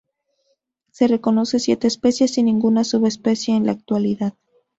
Se reconoce siete especies y ninguna subespecie en la actualidad.